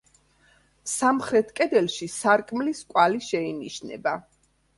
სამხრეთ კედელში სარკმლის კვალი შეინიშნება.